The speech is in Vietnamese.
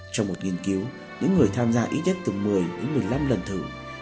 trong một nghiên cứu những người tham gia ý chất từ một mươi đến một mươi năm lần thử